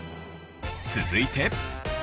続いて。